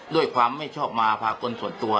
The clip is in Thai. ด้วยความไม่ชอบมาพากลส่วนตัว